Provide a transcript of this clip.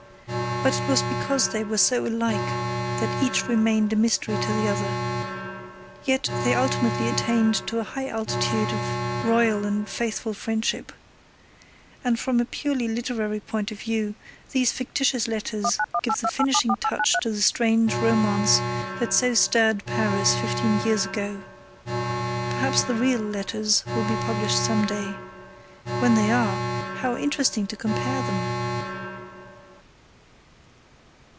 But it was because they were so alike that each remained a mystery to the other. Yet they ultimately attained to a high altitude of loyal and faithful friendship, and from a purely literary point of view these fictitious letters give the finishing touch to the strange romance that so stirred Paris fifteen years ago. Perhaps the real letters will be published some day. When they are, how interesting to compare them!